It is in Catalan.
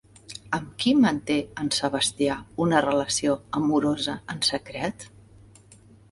Amb qui manté en Sebastià una relació amorosa en secret?